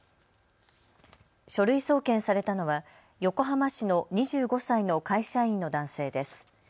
書類送検されたのは横浜市の２５歳の会社員の男性です。